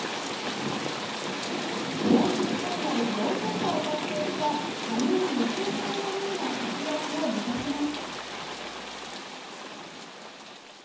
グランプリファイナル４連覇を達成した羽生結弦さんのような活躍を目指します。